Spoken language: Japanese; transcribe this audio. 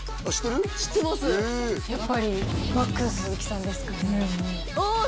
やっぱりＭＡＸ鈴木さんですかね